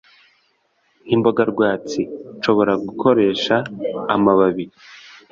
nk’imboga rwatsi. Nshobora gukoresha amababi